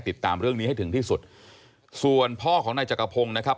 ติดตามเรื่องนี้ให้ถึงที่สุดส่วนพ่อของนายจักรพงศ์นะครับ